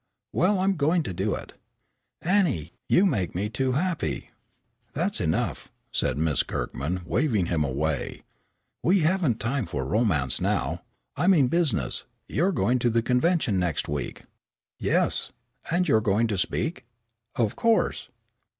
"Well, I'm going to do it." "Annie, you make me too happy." "That's enough," said Miss Kirkman, waving him away. "We haven't any time for romance now. I mean business. You're going to the convention next week." "Yes." "And you're going to speak?" "Of course."